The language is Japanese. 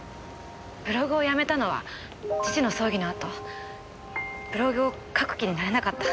ブログをやめたのは父の葬儀のあとブログを書く気になれなかった